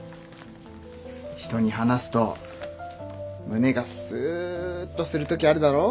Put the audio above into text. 人に話すと胸がスッとする時あるだろ？